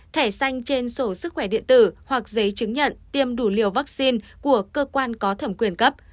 thẻ xanh trên sổ sức khỏe điện tử hoặc giấy chứng nhận tiêm đủ liều vaccine của cơ quan có thẩm quyền cấp